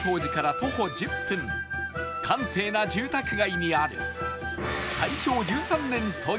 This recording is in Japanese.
閑静な住宅街にある